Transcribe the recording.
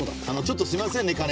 あのちょっとすいませんね